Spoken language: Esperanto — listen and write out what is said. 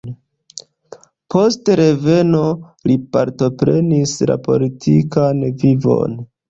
Post reveno li partoprenis la politikan vivon.